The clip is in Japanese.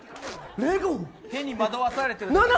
屁に惑わされてるな。